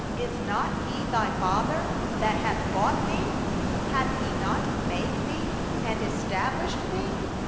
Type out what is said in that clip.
Is not He thy father that hath gotten thee? Hath He not made thee, and established thee?